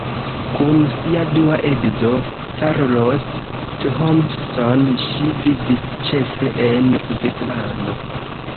Kun sia dua edzo Carlos Thompson ŝi vivis ĉefe en Svislando.